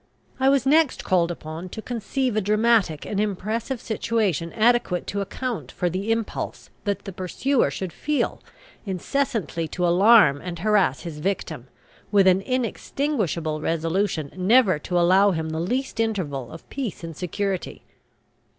I was next called upon to conceive a dramatic and impressive situation adequate to account for the impulse that the pursuer should feel, incessantly to alarm and harass his victim, with an inextinguishable resolution never to allow him the least interval of peace and security.